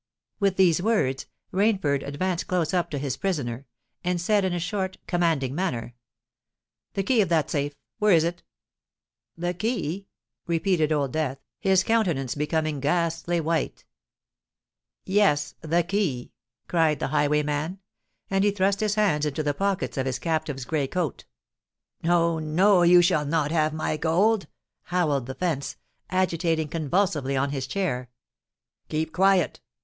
With these words Rainford advanced close up to his prisoner, and said in a short, commanding manner, "The key of that safe—where is it?" "The key?" repeated Old Death, his countenance becoming ghastly white. "Yes—the key!" cried the highwayman; and he thrust his hands into the pockets of his captive's grey coat. "No—no: you shall not have my gold!" howled the fence, agitating convulsively on his chair. "Keep quiet!"